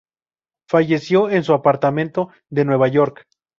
Falleció en su apartamento de Nueva York.